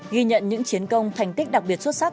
ghi nhận những chiến công thành tích đặc biệt xuất sắc